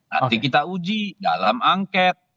nanti kita uji dalam angket